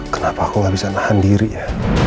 kenapa aku gak bisa nahan diri ya